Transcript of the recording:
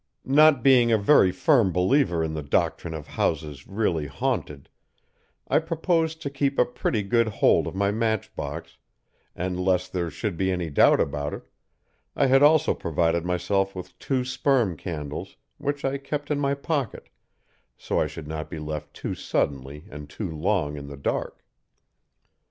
"Not being a very firm believer in the doctrine of houses really haunted, I proposed to keep a pretty good hold of my match box, and lest there should be any doubt about it, I had also provided myself with two sperm candles, which I kept in my pocket, so I should not be left too suddenly and too long in the dark.